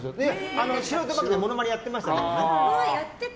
素人番組でもモノマネやってましたけどね。